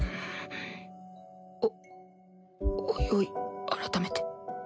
おおいおい改めて。